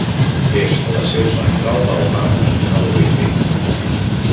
És la seu central del Parc Nacional Olímpic.